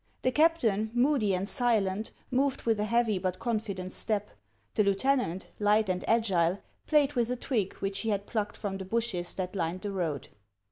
The captain, moody and silent, moved with a heavy but confident step ; the lieutenant, light and agile, played with a twig which he had plucked from the bushes that lined the road.